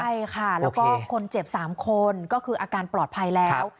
ใช่ค่ะแล้วก็คนเจ็บ๓คนก็คืออาการปลอดภัยแล้ว